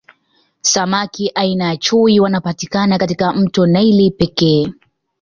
samaki aina ya chui wanapatikana katika mto naili pekee